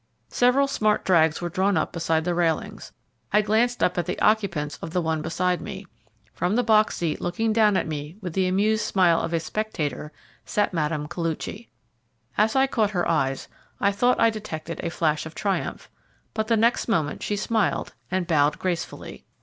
Several smart drags were drawn up beside the railings. I glanced up at the occupants of the one beside me. From the box seat looking down at me with the amused smile of a spectator sat Mme. Koluchy. As I caught her eyes I thought I detected a flash of triumph, but the next moment she smiled and bowed gracefully.